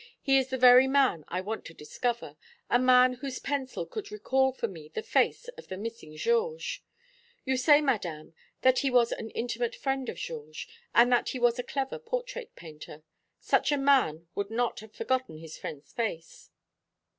"He is the very man I want to discover a man whose pencil could recall for me the face of the missing Georges. You say, Madame, that he was an intimate friend of Georges, and that he was a clever portrait painter. Such a man would not have forgotten his friend's face."